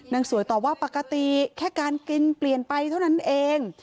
นางสวยตอบว่าปกติแค่การกินเปลี่ยนไปเท่านั้นเอง